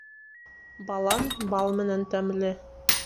Балан бал менән тәмле